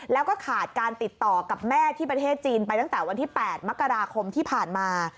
แล้วก็ขาดการติดต่อกับแม่ที่ประเทศจีนไปตั้งแต่วันที่๘มกราคมที่ผ่านมา